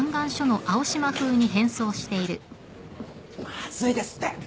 まずいですって。